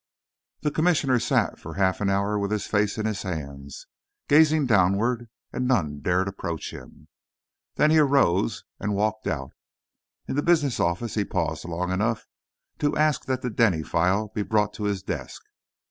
The Commissioner sat for half an hour with his face in his hands, gazing downward, and none dared approach him. Then he arose and walked out. In the business office he paused long enough to ask that the Denny file be brought to his desk.